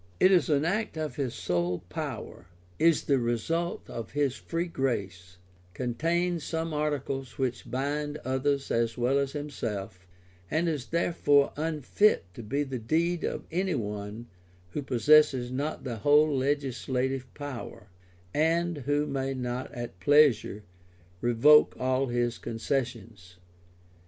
It is an act of his sole power, is the result of his free grace, contains some articles which bind others as well as himself, and is therefore unfit to be the deed of any one who possesses not the whole legislative power, and who may not at pleasure revoke all his concessions.